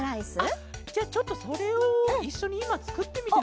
あっじゃあちょっとそれをいっしょにいまつくってみても？